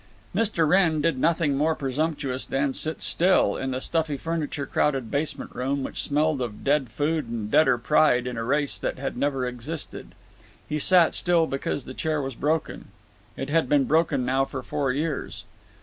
Mr. Wrenn did nothing more presumptuous than sit still, in the stuffy furniture crowded basement room, which smelled of dead food and deader pride in a race that had never existed. He sat still because the chair was broken. It had been broken now for four years.